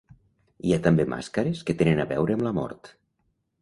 Hi ha també màscares que tenen a veure amb la mort.